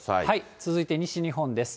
続いて西日本です。